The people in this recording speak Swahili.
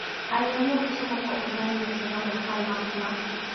Aliamua kusoma kwa undani mitazamo ya Karl Marx na